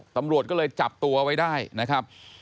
ตำรวจก็เลยจับตัวไว้ได้นะครับ